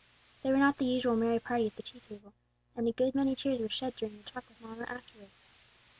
They were not the usual merry party at the tea table, and a good many tears were shed during the talk with mamma afterward.